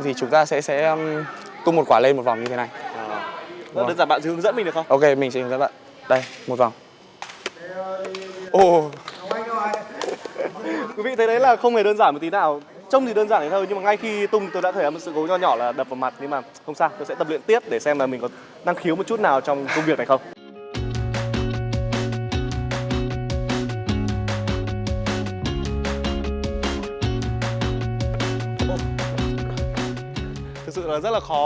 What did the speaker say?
thực sự là rất là khó